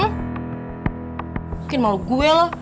mungkin mau gue lah